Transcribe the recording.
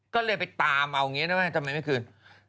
ก็เลยไปตามเอาอย่างนี้ได้ไหมทำไมไม่คืน